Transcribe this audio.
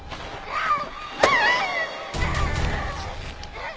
あっ！